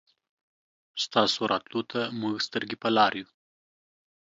ستاسو راتلو ته مونږ سترګې په لار يو